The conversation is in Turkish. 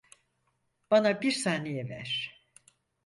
Bana bir saniye ver.